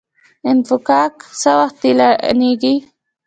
انفکاک څه وخت اعلانیږي؟